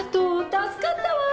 助かったわ！